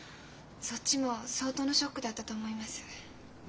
そっちも相当なショックだったと思います。